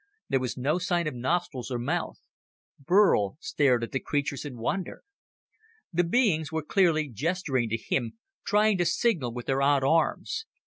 There was no sign of nostrils or mouth. Burl stared at the creatures in wonder. The beings were clearly gesturing to him, trying to signal with their odd arms.